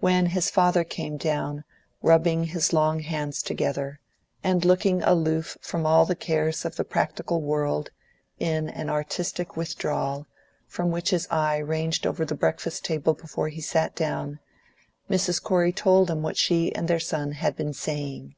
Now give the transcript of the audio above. When his father came down, rubbing his long hands together, and looking aloof from all the cares of the practical world, in an artistic withdrawal, from which his eye ranged over the breakfast table before he sat down, Mrs. Corey told him what she and their son had been saying.